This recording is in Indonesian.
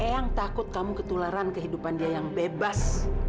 yang takut kamu ketularan kehidupan dia yang bebas